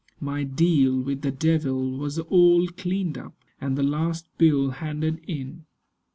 My deal with the devil was all cleaned up, And the last bill handed in.